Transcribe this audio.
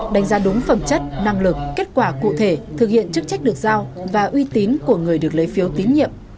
đánh giá đúng phẩm chất năng lực kết quả cụ thể thực hiện chức trách được giao và uy tín của người được lấy phiếu tín nhiệm